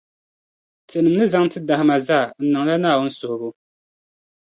tinim’ ni zaŋ ti dahima zaa n-niŋla Naawuni suhibu.